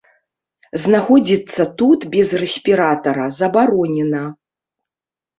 Знаходзіцца тут без рэспіратара забаронена.